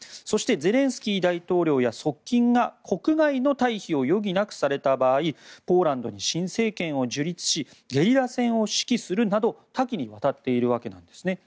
そしてゼレンスキー大統領や側近が国外の退避を余儀なくされた場合ポーランドに新政権を樹立しゲリラ戦を指揮するなど多岐にわたっているわけです。